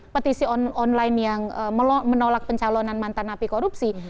petisi online yang menolak pencalonan mantan api korupsi